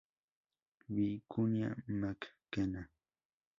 Vicuña Mackenna.